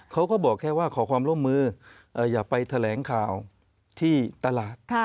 เขาก็บอกแค่ว่าขอความร่วมมืออย่าไปแถลงข่าวที่ตลาด